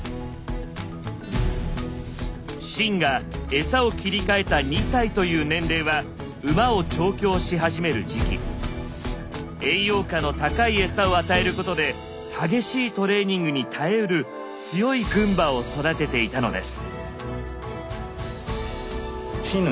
秦が餌を切り替えた２歳という年齢は栄養価の高い餌を与えることで激しいトレーニングに耐えうる強い軍馬を育てていたのです。